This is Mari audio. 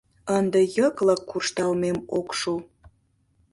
Ынде йыклык куржталмем ок шу.